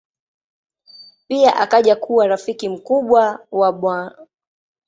Pia akaja kuwa rafiki mkubwa wa Bw.